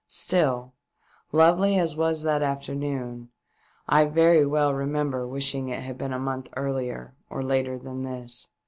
Still, lovely as was that afternoon, I very well remember wishing it had been a month earlier or later than this.